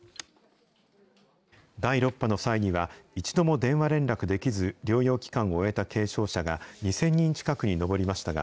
第６波の際には、一度も電話連絡できず、療養期間を終えた軽症者が２０００人近くに上りましたが、